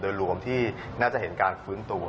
โดยรวมที่น่าจะเห็นการฟื้นตัว